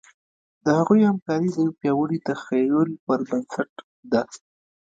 د هغوی همکاري د یوه پیاوړي تخیل پر بنسټ ده.